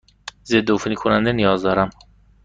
ضدعفونی کننده نیاز دارم.